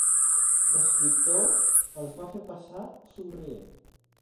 L'escriptor els va fer passar, somrient.